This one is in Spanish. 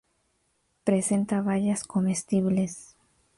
Presenta bayas comestibles.